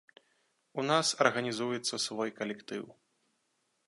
У нас арганізуецца свой калектыў.